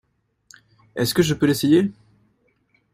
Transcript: Est-ce que je peux l'essayer ?